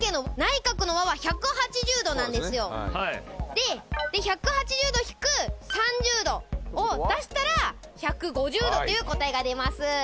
で１８０度引く３０度を出したら１５０度という答えが出ます。